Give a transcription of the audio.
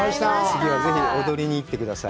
次はぜひ、踊りに行ってください。